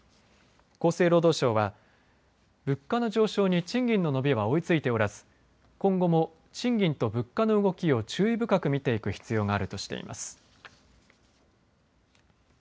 厚生労働省は物価の上昇に賃金の伸びは追いついておらず今後も賃金と物価の動きを注意深く見ていく必要があるとしています。